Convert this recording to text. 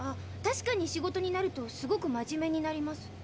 確かに仕事になるとすごく真面目になります。